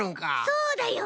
そうだよ。